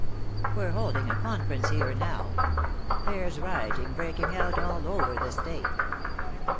We're holding a conference here now. There's rioting breaking out all over the state."